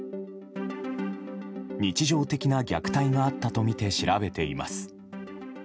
日常的な虐待があったとみて調べています。